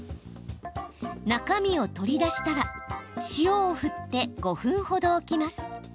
中身を取り出したら塩を振って５分ほど置きます。